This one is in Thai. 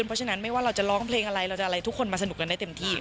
เพราะฉะนั้นไม่ว่าเราจะร้องเพลงอะไรเราจะอะไรทุกคนมาสนุกกันได้เต็มที่